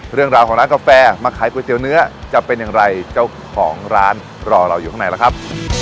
เรื่องราวของร้านกาแฟมาขายก๋วยเตี๋ยวเนื้อจะเป็นอย่างไรเจ้าของร้านรอเราอยู่ข้างในแล้วครับ